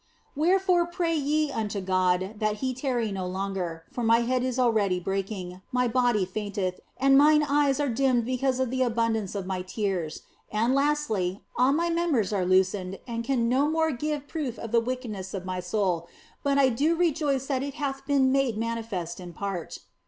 Where fore pray ye unto God that He tarry no longer, for my head is already breaking, my body fainteth, and mine eyes are dimmed because of the abundance of my tears. And lastly, all my members are loosened and can no more give proof of the wickedness of my soul, but I do rejoice that it hath been made manifest in part."